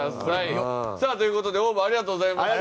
さあという事でＯＷＶありがとうございました。